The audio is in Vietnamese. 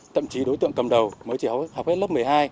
thậm chí đối tượng cầm đầu mới chỉ học hết lớp một mươi hai